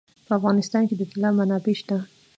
په افغانستان کې د طلا منابع شته.